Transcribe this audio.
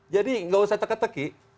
jadi tidak usah teka teki